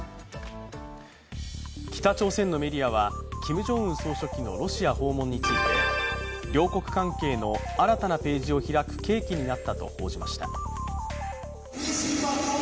北朝鮮のメディアはキム・ジョンウン総書記のロシア訪問について両国関係の新たなページを開く契機になったと報じました。